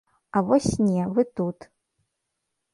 А вось не, вы тут.